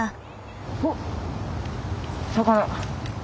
おっ魚！